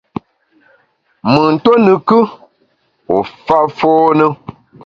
Mùn tuo ne kù, u fa fône.